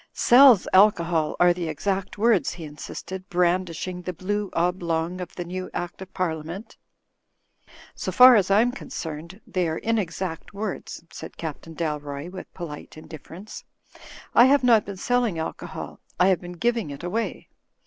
"Sells alcohol, are the exact words," he insisted, brandishing the blue oblong of the new Act of Par liament. "So far as I am concerned they are inexact words," said Captain Dalroy, with polite indifference. "I have not been selling alcohol, I have been giving it away.